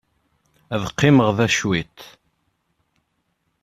Ad qqimeɣ da cwiṭ.